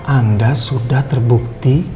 anda sudah terbukti